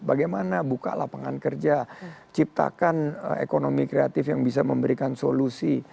bagaimana buka lapangan kerja ciptakan ekonomi kreatif yang bisa memberikan solusi